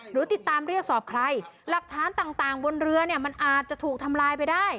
หรือติดตามเรียกสอบใครหลักฐานต่างบนเรือเนี่ยมันอาจจะถูกทำลายไปได้